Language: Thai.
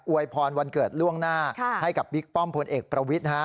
วยพรวันเกิดล่วงหน้าให้กับบิ๊กป้อมพลเอกประวิทย์